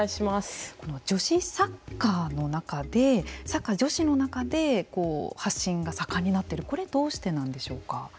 この女子サッカーの中でサッカー女子の中で発信が盛んになっているこれはどうしてなんでしょうか。